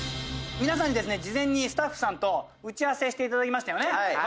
皆さんに事前にスタッフさんと打ち合わせしていただきましたね。